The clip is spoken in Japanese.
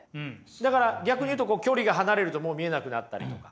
だから逆に言うと距離が離れるともう見えなくなったりとか。